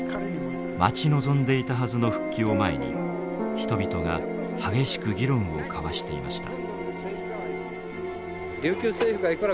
待ち望んでいたはずの復帰を前に人々が激しく議論を交わしていました。